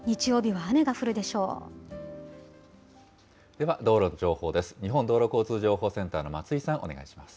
では道路の情報です。